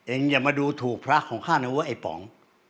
เอ็งอย่ามาดูถูกพระของข้านั้นเว้อไอ่ป๋อง